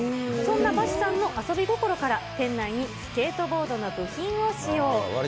そんなバシさんの遊び心から、店内にスケートボードの部品を使用。